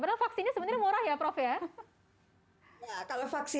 padahal vaksinnya sebenarnya murah ya prof ya